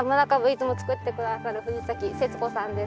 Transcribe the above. いつも作って下さる藤世津子さんです。